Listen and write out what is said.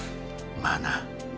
まあな